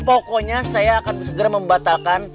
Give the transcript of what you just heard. pokoknya saya akan segera membatalkan